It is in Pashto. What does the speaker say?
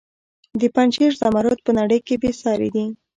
د پنجشیر زمرد په نړۍ کې بې ساري دي